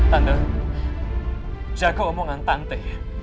tante jaga omongan tante